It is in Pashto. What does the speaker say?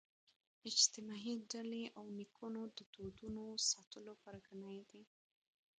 اجتماعي ډلې او نیکونو دودونو ساتلو پرګنې دي